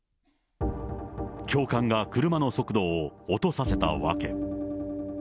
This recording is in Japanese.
教官が車の速度を落とさせた訳。